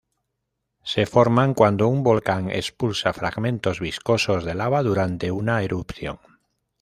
Se forman cuando un volcán expulsa fragmentos viscosos de lava durante una erupción.